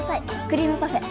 クリームパフェ。